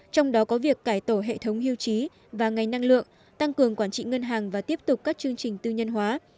trong đó có việc cải tổ hệ thống hưu trí và ngành năng lượng tăng cường quản trị ngân hàng và tiếp tục các chương trình tư nhân hóa